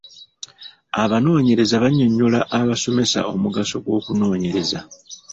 Abanoonyereza bannyonnyola abasomesa omugaso gw'okunoonyereza.